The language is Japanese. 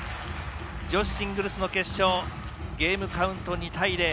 女子シングルスの決勝ゲームカウント２対０。